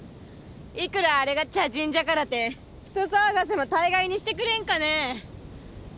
いくらあれが茶人じゃからて人騒がせも大概にしてくれんかね。